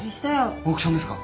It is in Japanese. オークションですか？